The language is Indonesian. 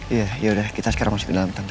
iya yaudah kita sekarang masuk ke dalam